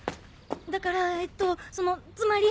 だからえっとそのつまり。